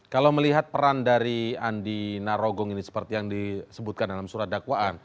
kalau melihat peran dari andi narogong ini seperti yang disebutkan dalam surat dakwaan